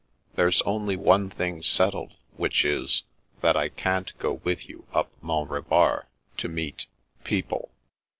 " There's only one thing settled, which is, that I can't go with you up Mont Revard to meet — people."